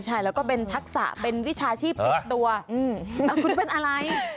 ใช่แล้วก็เป็นทักษะเป็นวิชาชีพติดตัวคุณเป็นอะไร